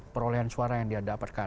perolehan suara yang dia dapatkan